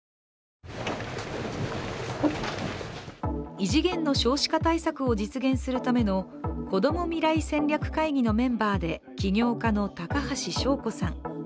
異次元の少子化対策を実現するためのこども未来戦略会議のメンバーで起業家の高橋祥子さん。